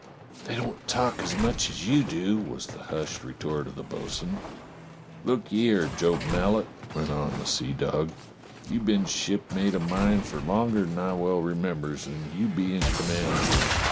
"They don't talk as much as you do," was the hushed retort of the bo'sun. "Look ye 'ere, Job Mallet," went on the seadog, "you've been shipmate o' mine fer longer than I well remembers, and you be in command here.